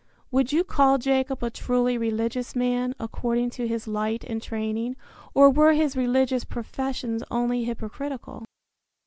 Would you call Jacob a truly religious man, according to his light and training, or were his religious professions only hypocritical?